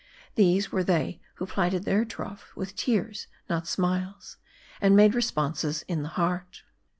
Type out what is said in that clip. These were they who plighted their troth with tears not smiles, and made responses in the heart.